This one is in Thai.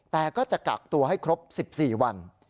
แต่ก็จะกักตัวให้ครบ๑๔วัน